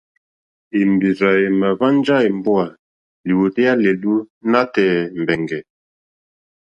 Èmbèrzà èmà hwánjá èmbówà lìwòtéyá lɛ̀ɛ̀lú nǎtɛ̀ɛ̀ mbɛ̀ngɛ̀.